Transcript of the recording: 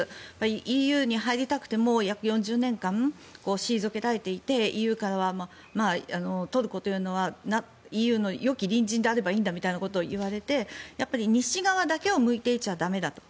ＥＵに入りたくても約４０年間退けられていて、ＥＵからはトルコというのはＥＵのよき隣人であればいいんだみたいなことを言われて西側だけを向いていちゃ駄目だと。